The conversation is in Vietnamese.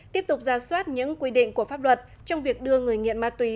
tiếp tục ra soát những quy định của pháp luật trong việc đưa người nghiện ma túy